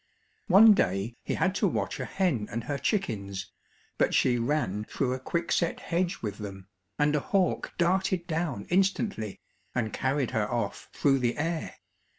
One day he had to watch a hen and her chickens, but she ran through a quick set hedge with them, and a hawk darted down instantly, and carried her off through the air.